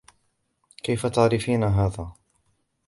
كيف تعرفين هذا؟